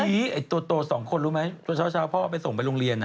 เฮียตัวสองคนรู้ไหมตอนเช้าพ่อส่งไปโรงเรียน